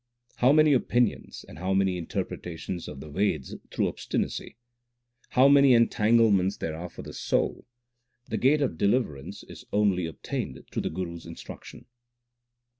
How many opinions, and how many interpretations of the Veds through obstinacy ! How many entanglements there are for the soul ! the gate of deliverance is only obtained through the Guru s instruction.